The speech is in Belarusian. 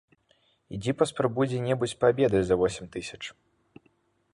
Ідзі, паспрабуй дзе-небудзь паабедай за восем тысяч.